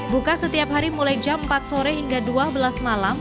buka setiap hari mulai jam empat sore hingga dua belas malam